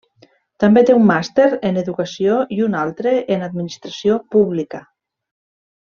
També té un màster en Educació i un altre en Administració Pública.